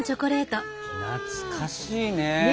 懐かしいね。ね！